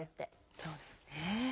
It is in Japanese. そうですね。